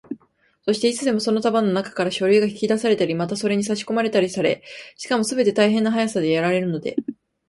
そして、いつでもその束のなかから書類が引き出されたり、またそれにさしこまれたりされ、しかもすべて大変な速さでやられるので、